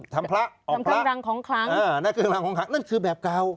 ทำเครื่องรังของขังนั่นคือแบบเก่า